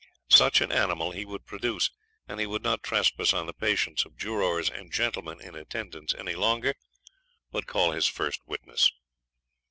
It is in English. Such an animal he would produce, and he would not trespass on the patience of jurors and gentlemen in attendance any longer, but call his first witness.